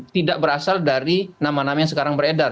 tidak berasal dari nama nama yang sekarang beredar